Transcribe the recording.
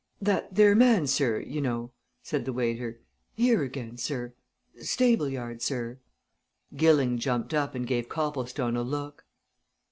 "That there man, sir you know," said the waiter. "Here again, sir stable yard, sir." Gilling jumped up and gave Copplestone a look.